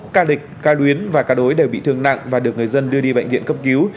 ca địch ca luyến và ca đối đều bị thương nặng và được người dân đưa đi bệnh viện cấp cứu